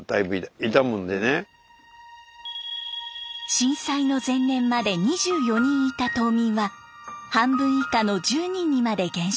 震災の前年まで２４人いた島民は半分以下の１０人にまで減少。